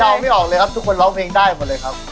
ไม่ออกเลยครับทุกคนร้องเพลงได้หมดเลยครับ